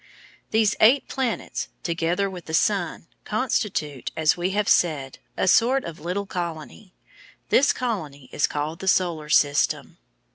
These eight planets, together with the sun, constitute, as we have said, a sort of little colony; this colony is called the Solar System.